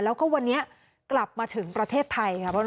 แล้วก็วันนี้กลับมาถึงประเทศไทยค่ะ